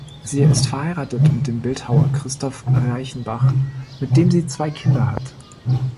Sie ist verheiratet mit dem Bildhauer Christoph Reichenbach, mit dem sie zwei Kinder hat.